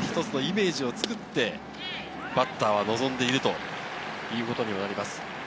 一つのイメージを作って、バッターは臨んでいるということになります。